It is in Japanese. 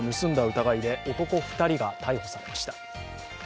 疑いで男２人が逮捕されました。